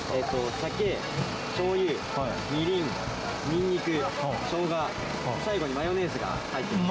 酒、しょうゆ、みりん、にんにく、しょうが、最後にマヨネーズが入っています。